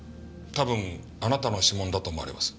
多分あなたの指紋だと思われます。